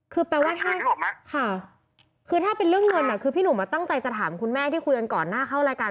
คือแปลว่าถ้าคือถ้าเป็นเรื่องเงินคือพี่หนุ่มตั้งใจจะถามคุณแม่ที่คุยกันก่อนหน้าเข้ารายการ